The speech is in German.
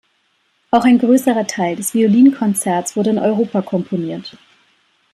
Auch ein größerer Teil des Violinkonzerts wurde in Europa komponiert.